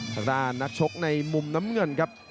ทางด้านนักชกในมุมน้ำเงินครับ